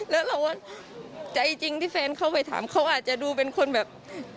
แล้วเราก็ใจจริงที่แฟนเขาไปถามเขาอาจจะดูเป็นคนแบบ